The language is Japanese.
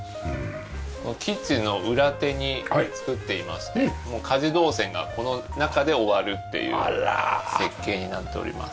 キッチンの裏手に造っていまして家事動線がこの中で終わるっていう設計になっております。